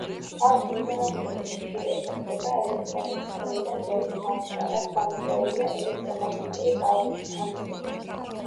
ანუ რეზონანსული სიხშირეზე ხდება ელექტრონების ქვევიდან ზევით ასვლა, რაც გამოწვეულია ელექტრომაგნიტური ტალღის შთანთქმით.